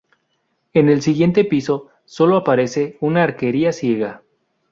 En el siguiente piso solo aparece una arquería ciega.